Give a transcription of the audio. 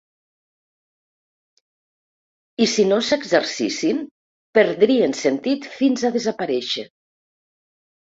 I si no s’exercissin perdrien sentit fins a desaparèixer.